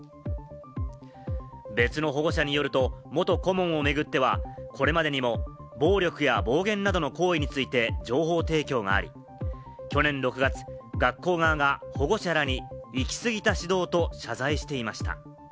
別の保護者によると、元顧問をめぐってはこれまでにも暴力や暴言などの行為について情報提供があり、去年６月、学校側が保護者らに「行き過ぎた指導」と謝罪していました。